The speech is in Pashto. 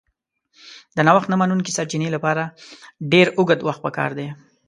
د نوښت نه منونکي سرچینې لپاره ډېر اوږد وخت پکار دی.